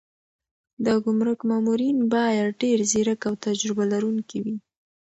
د ګمرک مامورین باید ډېر ځیرک او تجربه لرونکي وي.